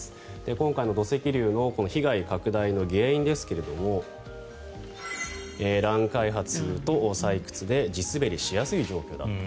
今回の土石流の被害拡大の原因ですけれども乱開発と採掘で地滑りしやすい状況だった。